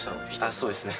そうですね。